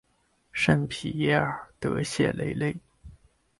圣皮耶尔德谢雷内。